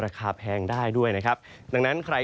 ทุกคนเลยนะผมว่า